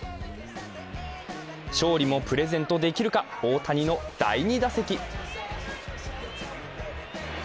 勝利もプレゼントできるか大谷の第２打席。